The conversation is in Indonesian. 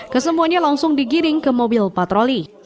kesemuanya langsung digiring ke mobil patroli